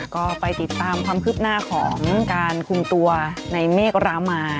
ก็ไปติดตามความคืบหน้าของการคุมตัวในเมฆรามา